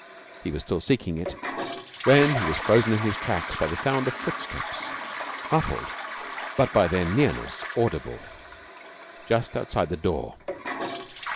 He was still seeking it when he was frozen in his tracks by the sound of footsteps, muffled but by their nearness audible, just outside the door.